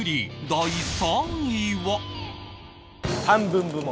第３位は